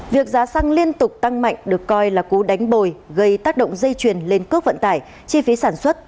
việc giá xăng liên tục tăng mạnh được coi là cú đánh bồi gây tác động dây chuyền lên cước vận tải chi phí sản xuất